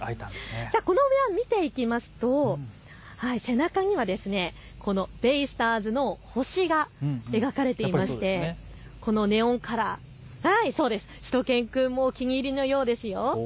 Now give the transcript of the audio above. このウエア見ていきますと、背中にはベイスターズの星が描かれていまして、このネオンカラー、しゅと犬くんもお気に入りのようですよ。